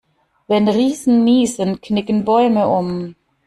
Wenn Riesen niesen, knicken Bäume um.